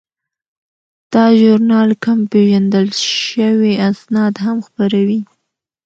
دا ژورنال کم پیژندل شوي اسناد هم خپروي.